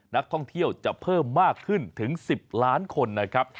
นักท่องเที่ยวจะเพิ่มมากขึ้นถึง๑๐ล้านคนนะครับ